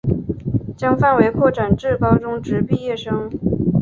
将范围拓展至高中职毕业生